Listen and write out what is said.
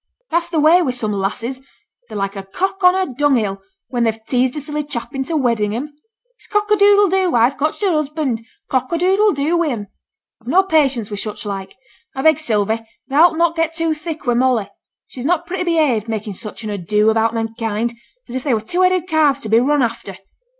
'That's the way wi' some lasses. They're like a cock on a dunghill, when they've teased a silly chap into wedding 'em. It's cock a doodle do, I've cotched a husband, cock a doodle doo, wi' 'em. I've no patience wi' such like; I beg, Sylvie, thou'lt not get too thick wi' Molly. She's not pretty behaved, making such an ado about men kind, as if they were two headed calves to be run after.'